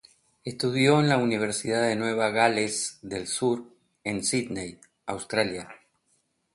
Estudió en la Universidad de Nueva Gales del Sur, en Sydney, Australia.